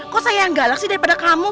kok saya yang galak sih daripada kamu